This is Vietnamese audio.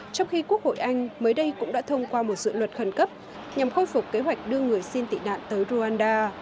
trong khi quốc hội anh mới đây cũng đã thông qua một dự luật khẩn cấp nhằm khôi phục kế hoạch đưa người xin tị nạn tới rwanda